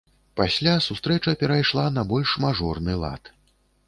Пасля сустрэча перайшла на больш мажорны лад.